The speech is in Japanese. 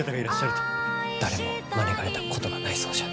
誰も招かれたことがないそうじゃ。